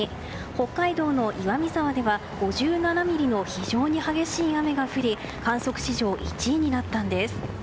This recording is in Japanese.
北海道の岩見沢では５７ミリの非常に激しい雨が降り観測史上１位になったんです。